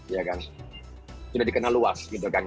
ya kan sudah dikenal luas gitu kan